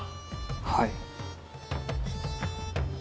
はい。